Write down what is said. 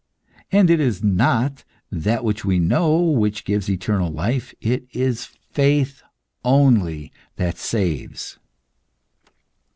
And it is not that which we know which gives eternal life; it is faith only that saves."